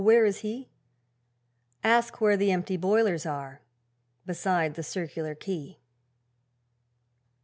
where was he? Ask where the empty boilers are, Beside the Circular Quay.